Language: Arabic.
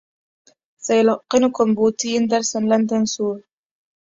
سيلقّنكم بوتين درسا لن تنسوه.